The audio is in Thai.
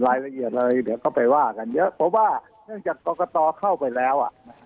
รายละเอียดอะไรเดี๋ยวก็ไปว่ากันเยอะเพราะว่าเนื่องจากกรกตเข้าไปแล้ว